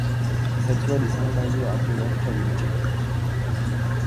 Sets were designed by the art director Vin Taylor.